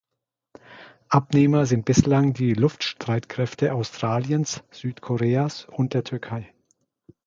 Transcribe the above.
Abnehmer sind bislang die Luftstreitkräfte Australiens, Südkoreas und der Türkei.